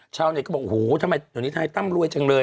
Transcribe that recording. ชาวนี้ก็บอกโอ้โฮทำไมตอนนี้ทนายตั้มรวยจังเลย